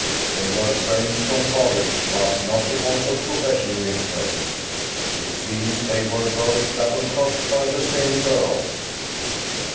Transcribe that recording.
They were friends from college, but not because of professional interests. It seems they were both doublecrossed by the same girl.